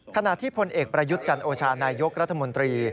ขณะที่พลเอกประยุทธ์จันโอชานายกรัฐมนตรี